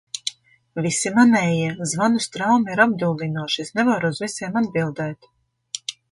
Visi manējie. Zvanu straume ir apdullinoša, es nevaru uz visiem atbildēt.